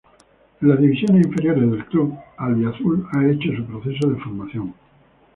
En las divisiones inferiores del club albiazul ha hecho su proceso de formación.